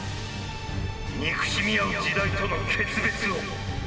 憎しみ合う時代との決別を」。